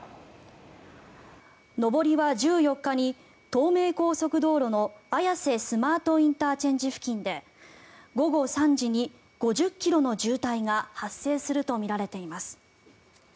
上りは１４日に東名高速道路の綾瀬スマートＩＣ付近で午後３時に５０ｋｍの渋滞が発生するとみられています。